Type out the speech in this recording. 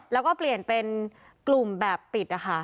แล้วก็เปลี่ยนเป็นกลุ่มแบบปิดนะคะ